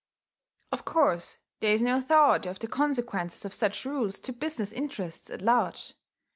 Of course there is no thought of the consequences of such rules to business interests at large....